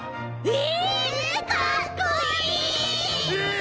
え？